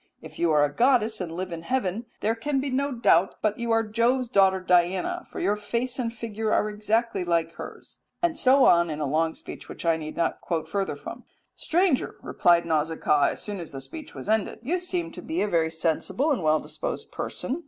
If you are a goddess and live in heaven, there can be no doubt but you are Jove's daughter Diana, for your face and figure are exactly like hers," and so on in a long speech which I need not further quote from. "Stranger," replied Nausicaa, as soon as the speech was ended, "you seem to be a very sensible well disposed person.